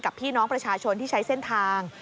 พี่น้องประชาชนที่ใช้เส้นทาง